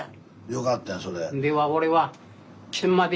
よかったやんそれ。